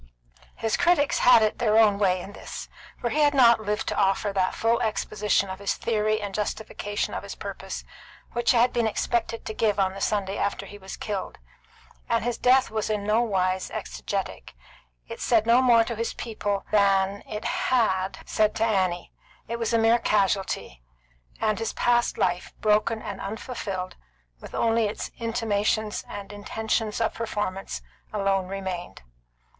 His critics had it their own way in this, for he had not lived to offer that full exposition of his theory and justification of his purpose which he had been expected to give on the Sunday after he was killed; and his death was in no wise exegetic. It said no more to his people than it had said to Annie; it was a mere casualty; and his past life, broken and unfulfilled, with only its intimations and intentions of performance, alone remained.